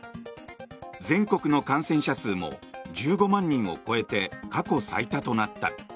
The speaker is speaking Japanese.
全国の感染者数も１５万人を超えて過去最多となった。